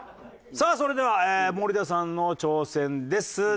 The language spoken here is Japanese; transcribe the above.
さあそれでは森田さんの挑戦です。